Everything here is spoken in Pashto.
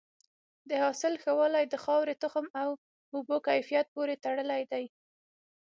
د حاصل ښه والی د خاورې، تخم او اوبو کیفیت پورې تړلی دی.